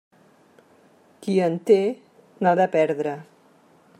Qui en té, n'ha de perdre.